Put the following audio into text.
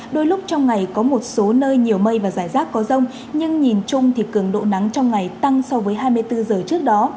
đôi lúc trong ngày có một số nơi nhiều mây và rải rác có rông nhưng nhìn chung thì cường độ nắng trong ngày tăng so với hai mươi bốn giờ trước đó